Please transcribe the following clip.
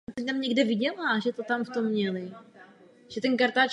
Studium probíhalo v angličtině.